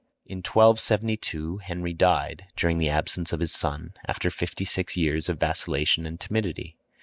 In 1272 Henry died, during the absence of his son, after fifty six years of vacillation and timidity.